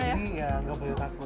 jadi ya nggak boleh takut